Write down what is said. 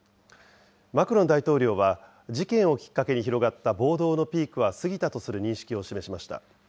マクロン大統領は、事件をきっかけに広がった暴動のピークは過ぎたとする認識を示しました。